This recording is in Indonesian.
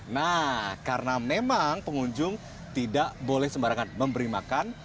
nah karena memang pengunjung tidak boleh sembarangan memberi makan